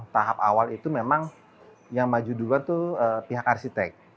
tahap awal itu memang yang maju dulu tuh pihak arsitek